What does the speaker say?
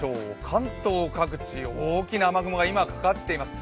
関東各地、大きな雨雲が今、かかっています。